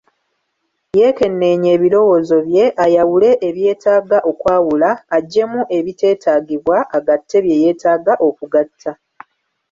Yekenneenye ebirowoozo bye, ayawule ebyetaaga okwawulwa, aggyemu ebiteetaagibwa agatte bye yeetaaga okugatta.